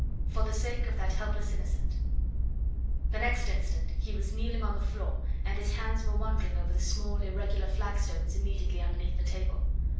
FOR THE SAKE OF THAT HELPLESS INNOCENT The next instant he was kneeling on the floor and his hands were wandering over the small, irregular flagstones immediately underneath the table.